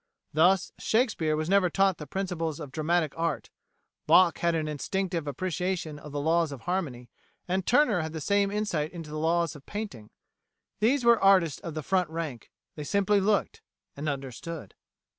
Thus Shakespeare was never taught the principles of dramatic art; Bach had an instinctive appreciation of the laws of harmony; and Turner had the same insight into laws of painting. These were artists of the front rank: they simply looked and understood.